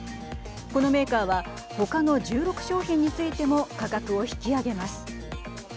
このメーカーは他の１６商品についても価格を引き上げます。